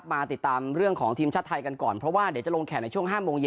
มาติดตามเรื่องของทีมชาติไทยกันก่อนเพราะว่าเดี๋ยวจะลงแข่งในช่วง๕โมงเย็น